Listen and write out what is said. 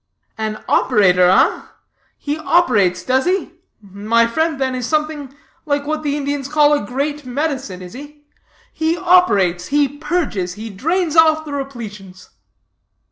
"An operator, ah? he operates, does he? My friend, then, is something like what the Indians call a Great Medicine, is he? He operates, he purges, he drains off the repletions."